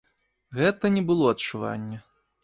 Гэта не было адчуванне.